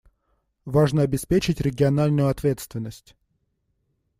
Важно обеспечить региональную ответственность.